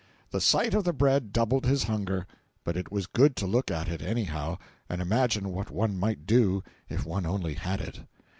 The sight of the bread doubled his hunger; but it was good to look at it, any how, and imagine what one might do if one only had it.